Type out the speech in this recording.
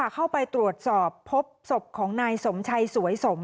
เข้าไปตรวจสอบพบศพของนายสมชัยสวยสม